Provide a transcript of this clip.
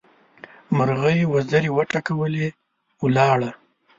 مرغۍ وزرې وټکولې؛ ولاړه.